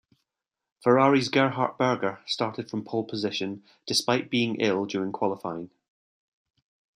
Ferrari's Gerhard Berger started from pole position despite being ill during qualifying.